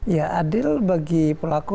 ya adil bagi pelaku